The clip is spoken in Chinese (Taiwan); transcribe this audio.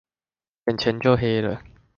眼前就黑了